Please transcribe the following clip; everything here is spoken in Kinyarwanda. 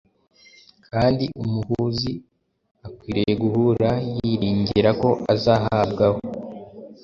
kandi umuhuzi akwiriye guhura yiringira ko azahabwaho.”